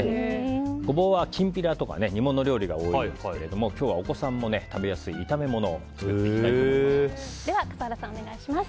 ゴボウはきんぴらとか煮物料理が多いですけど今日は、お子さんも食べやすい炒め物をでは笠原さん、お願いします。